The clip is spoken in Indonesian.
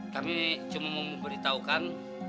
kita cuma mau beritahukan